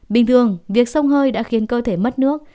bình thường việc sông hơi đã khiến cơ thể mất nước